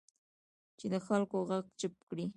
چې د خلکو غږ چپ کړي